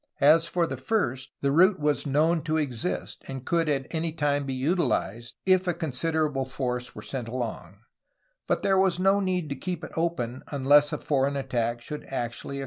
As for the first, the route was known to exist, and could at any time be utilized, if a considerable force were sent along, but there was no need to keep it open unless a foreign attack should actually occur.